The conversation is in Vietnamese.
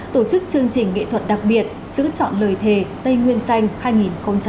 tổ chức chương trình nghệ thuật đặc biệt sứ chọn lời thề tây nguyên xanh hai nghìn hai mươi ba